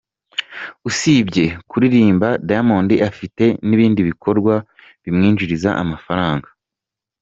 Usibye kuririmba Diamond afite n’ibindi bikorwa bimwinjiriza amafaranga.